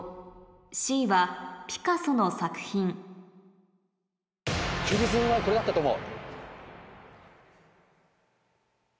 「Ｃはピカソの作品」キュビスムはこれだったと思う。